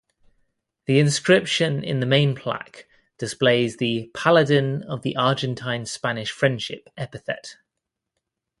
The inscription in the main plaque displays the ("Paladin of the Argentine–Spanish friendship") epithet.